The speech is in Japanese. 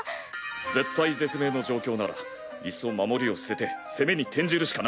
⁉絶体絶命の状況ならいっそ守りを捨てて攻めに転じるしかない。